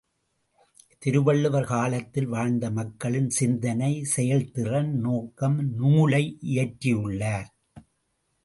திருவள்ளுவர் காலத்தில் வாழ்ந்த மக்களின் சிந்தனை செயல்திறன் நோக்கி நூலை இயற்றியுள்ளார்.